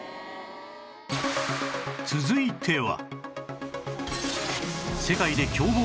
続いては